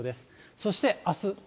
そして、あす。